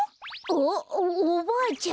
あっおばあちゃん！